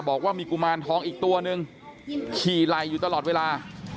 บอกว่ามีกุมารทองอีกตัวนึงขี่ไหล่อยู่ตลอดเวลา